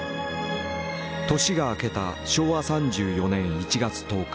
年が明けた昭和３４年１月１０日。